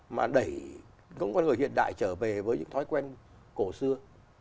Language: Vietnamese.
mà đẩy con người hiện đại trở về với những thói quen cổ xưa